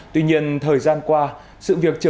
tuy nhiên thời gian qua sự việc trở nên nguy hiểm